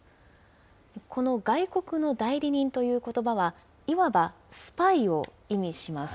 この外国の代理人ということばは、いわばスパイを意味します。